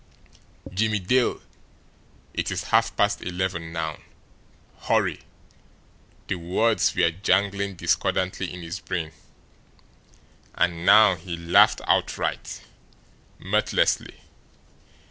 "Jimmie, it is half past eleven now HURRY!" The words were jangling discordantly in his brain. And now he laughed outright, mirthlessly.